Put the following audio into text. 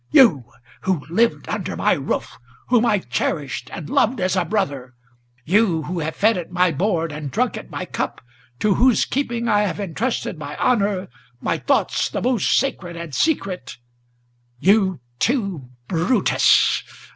You, who lived under my roof, whom I cherished and loved as a brother; You, who have fed at my board, and drunk at my cup, to whose keeping I have intrusted my honor, my thoughts the most sacred and secret, You too, Brutus!